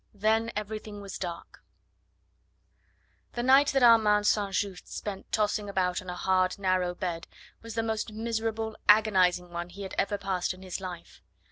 THEN EVERYTHING WAS DARK The night that Armand St. Just spent tossing about on a hard, narrow bed was the most miserable, agonising one he had ever passed in his life.